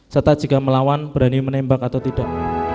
serta jika melawan berani menembak atau tidak